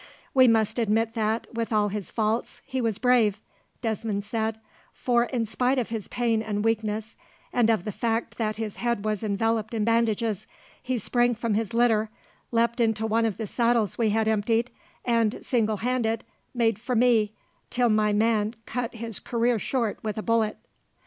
"We must admit that, with all his faults, he was brave," Desmond said; "for, in spite of his pain and weakness, and of the fact that his head was enveloped in bandages, he sprang from his litter, leapt into one of the saddles we had emptied, and, single handed, made for me, until my man cut his career short with a bullet.